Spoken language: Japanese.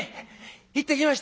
「行ってきました」。